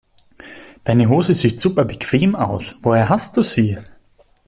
Deine Hose sieht super bequem aus, woher hast du sie?